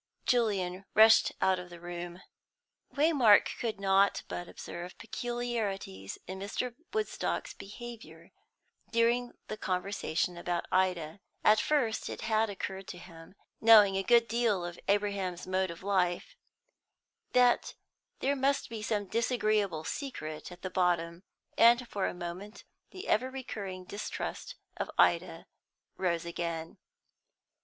Julian rushed out of the room. Waymark could not but observe peculiarities in Mr. Woodstock's behaviour during the conversation about Ida. At first it had occurred to him knowing a good deal of Abraham's mode of life that there must be some disagreeable secret at the bottom, and for a moment the ever recurring distrust of Ida rose again.